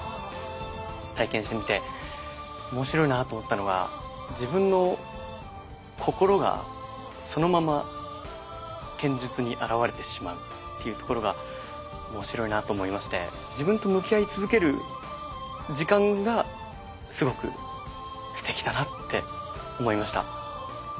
体験してみて面白いなと思ったのは自分の心がそのまま剣術に表れてしまうっていうところが面白いなと思いまして自分と向き合い続ける時間がすごくすてきだなって思いました。